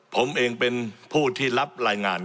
ผมเองเป็นผู้ที่รับรายงาน